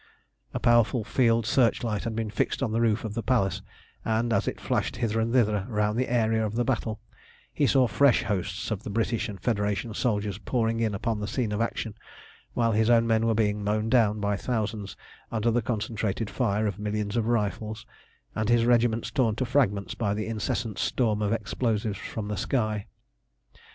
_] A powerful field searchlight had been fixed on the roof of the Palace, and, as it flashed hither and thither round the area of the battle, he saw fresh hosts of the British and Federation soldiers pouring in upon the scene of action, while his own men were being mown down by thousands under the concentrated fire of millions of rifles, and his regiments torn to fragments by the incessant storm of explosives from the sky.